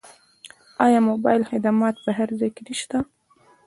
آیا موبایل خدمات په هر ځای کې نشته؟